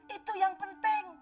itu yang penting